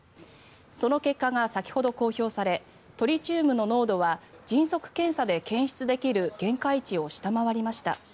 その結果が先ほど公表されトリチウムの濃度は迅速検査で検出できる限界値を下回りました。